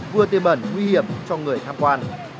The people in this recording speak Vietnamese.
vừa tê bẩn nguy hiểm cho người tham quan